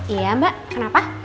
iya mbak kenapa